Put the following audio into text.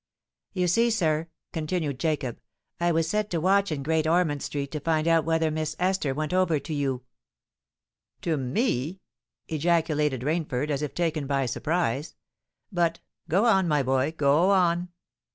"You see, sir," continued Jacob, "I was set to watch in Great Ormond Street to find out whether Miss Esther went over to you——" "To me!" ejaculated Rainford, as if taken by surprise. "But—go on, my boy—go on!"